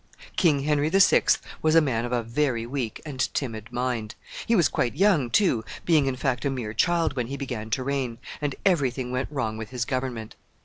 King Henry the Sixth was a man of a very weak and timid mind. He was quite young too, being, in fact, a mere child when he began to reign, and every thing went wrong with his government.